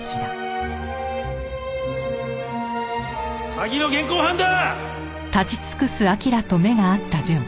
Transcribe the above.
詐欺の現行犯だ！